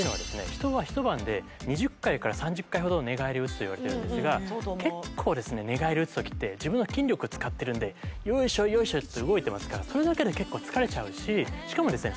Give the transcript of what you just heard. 人は一晩で２０回から３０回ほどの寝返りを打つといわれてるんですが結構ですね寝返り打つ時って自分の筋力使ってるんでヨイショヨイショって動いてますからそれだけで結構疲れちゃうししかもですね